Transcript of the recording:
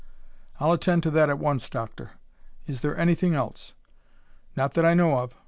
"I'll attend to that at once, Doctor. Is there anything else?" "Not that I know of.